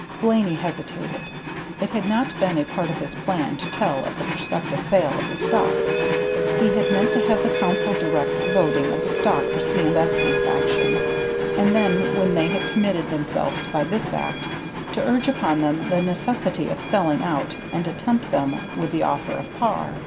Blaney hesitated. It had not been a part of his plan to tell of the prospective sale of the stock. He had meant to have the Council direct the voting of the stock for C. & S.C. faction, and then when they had committed themselves by this act, to urge upon them the necessity of selling out and to tempt them with the offer of par.